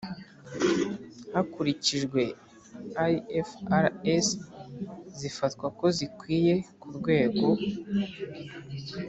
Hakurikijwe ifrs zifatwa ko zikwiye ku rwego